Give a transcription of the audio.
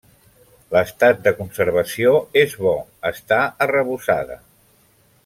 L'estat de conservació és bo, està arrebossada.